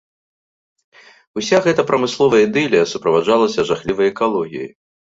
Уся гэта прамысловая ідылія суправаджалася жахлівай экалогіяй.